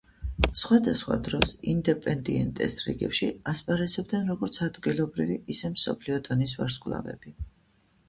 სხვადასხვა დროს „ინდეპენდიენტეს“ რიგებში ასპარეზობდნენ როგორც ადგილობრივი, ისე მსოფლიო დონის ვარსკვლავები.